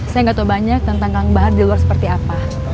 saya nggak tahu banyak tentang kang bahar di luar seperti apa